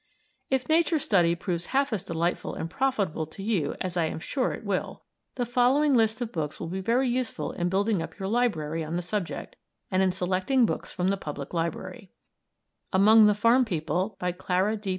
If Nature Study proves half as delightful and profitable to you as I am sure it will, the following list of books will be very useful in building up your library on the subject, and in selecting books from the public library: "Among the Farmyard People," by Clara D.